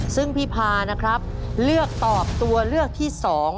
ซึ่งพี่พานะครับเลือกตอบตัวเลือกที่๒